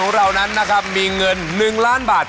สวัสดีครับคุณผู้ชมครับ